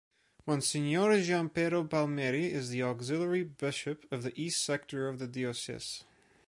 Monsignor Gianpiero Palmieri is the auxiliary bishop of the East Sector of the diocese.